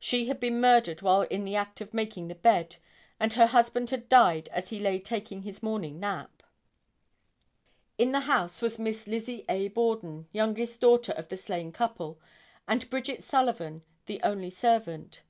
She had been murdered while in the act of making the bed and her husband had died as he lay taking his morning nap. In the house was Miss Lizzie A. Borden, youngest daughter of the slain couple, and Bridget Sullivan, the only servant.